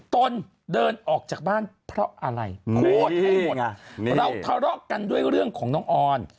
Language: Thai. ตนเดินออกจากบ้านเพราะอะไรพูดให้หมดเราทะเลาะกันด้วยเรื่องของน้องออน